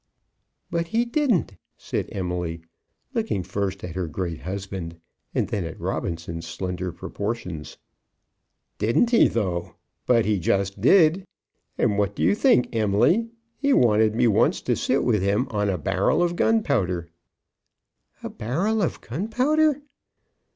"But he didn't!" said Emily, looking first at her great husband and then at Robinson's slender proportions. "Didn't he though? But he just did. And what do you think, Em'ly? He wanted me once to sit with him on a barrel of gunpowder." "A barrel of gunpowder!"